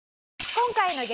今回の激